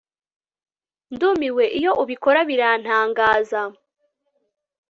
ndumiwe iyo ubikora birantangaza